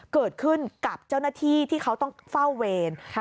เกิดขึ้นกับเจ้าหน้าที่ที่เขาต้องเฝ้าเวร